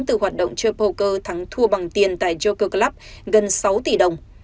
từ hoạt động chơi poker thắng thua bằng tiền tại joker club gần sáu tỷ đồng